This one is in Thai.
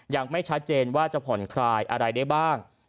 ยังไม่ชัดเจนว่าจะผ่อนคลายอะไรได้บ้าง